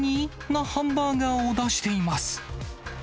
なハンバーガーを出しています。